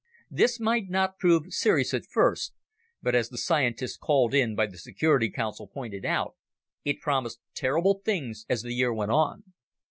This might not prove serious at first, but as the scientists called in by the Security Council pointed out, it promised terrible things as the year went on.